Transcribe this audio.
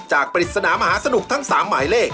ปริศนามหาสนุกทั้ง๓หมายเลข